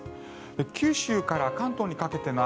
九州から関東にかけての雨